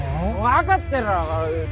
分かってるよ。